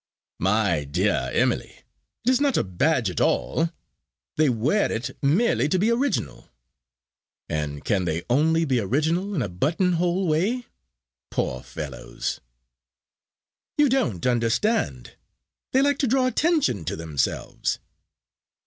"My dear Emily, it is not a badge at all. They wear it merely to be original." "And can they only be original in a buttonhole way? Poor fellows." "You don't understand. They like to draw attention to themselves."